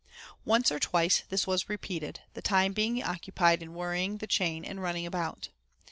Once or twice this was repeated, the time between being occupied in worrying the chain and running about.